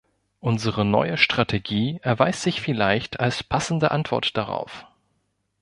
Unsere neue Strategie erweist sich vielleicht als passende Antwort darauf.